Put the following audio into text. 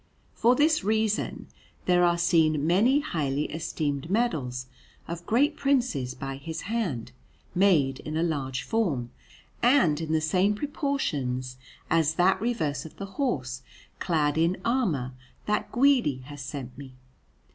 For this reason there are seen many highly esteemed medals of great Princes by his hand, made in a large form, and in the same proportions as that reverse of the horse clad in armour that Guidi has sent me.